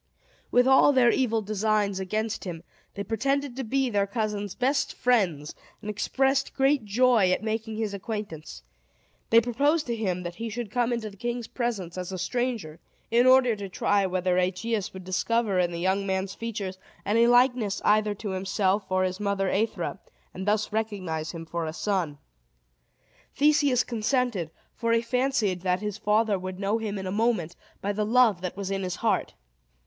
With all their evil designs against him, they pretended to be their cousin's best friends, and expressed great joy at making his acquaintance. They proposed to him that he should come into the king's presence as a stranger, in order to try whether Aegeus would discover in the young man's features any likeness either to himself or his mother Aethra, and thus recognize him for a son. Theseus consented; for he fancied that his father would know him in a moment, by the love that was in his heart.